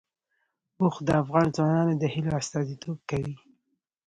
اوښ د افغان ځوانانو د هیلو استازیتوب کوي.